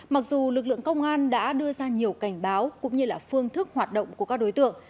mặc dù lực lượng công an đã đưa ra nhiều cảnh báo cũng như là phương thức hoạt động của các đối tượng